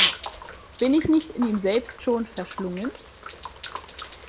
Bin ich nicht in ihm selbst schon verschlungen?